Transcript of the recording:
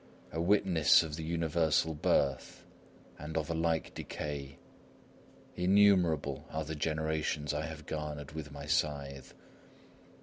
A witness of the universal birth and of a like decay; Innumerable are the generations I have garnered with my scythe.